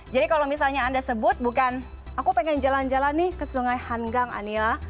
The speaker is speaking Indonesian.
jadi kalau misalnya anda sebut bukan aku pengen jalan jalan nih ke sungai hanggang aniela